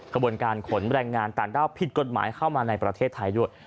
กระบวนการขนแบรนด์งานต่างด้าวผิดกฎหมายเข้ามาในประเทศไทยด้วย